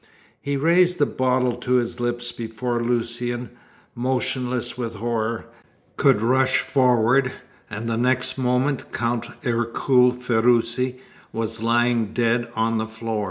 He raised the bottle to his lips before Lucian, motionless with horror, could rush forward, and the next moment Count Ercole Ferruci was lying dead on the floor.